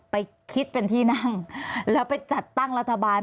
ไปคิดเป็นที่นั่งแล้วไปจัดตั้งรัฐบาล